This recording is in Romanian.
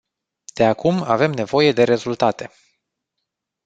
De acum avem nevoie de rezultate.